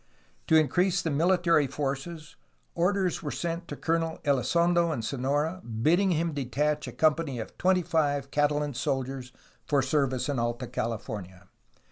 To increase the military forces orders were sent to Colonel Elizondo in Sonora bidding him detach a company of twenty five Catalan soldiers for service in Alta California.